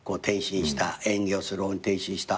演技をする方に転身した。